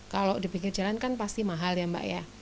kalau di pinggir jalan kan pasti mahal ya mbak ya